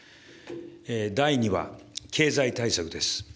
第２は、経済対策です。